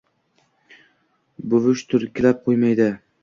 Buvish turtkilab qoʼymaydi: